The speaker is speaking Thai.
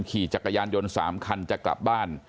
ขี่จักรยานยนต์๓คันจะกลับบ้าน